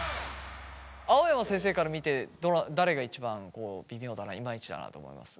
青山先生から見て誰が一番微妙だないまいちだなと思います？